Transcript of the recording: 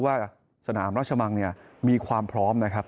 ว่าสนามราชมังเนี่ยมีความพร้อมนะครับ